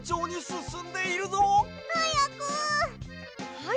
はい。